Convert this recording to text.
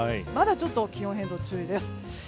まだちょっと気温変動、注意です。